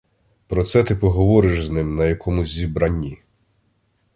Про це ти поговориш з ним на якомусь зібранні.